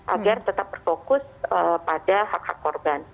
agar tetap berfokus pada hak hak korban